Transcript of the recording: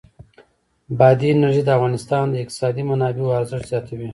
بادي انرژي د افغانستان د اقتصادي منابعو ارزښت زیاتوي.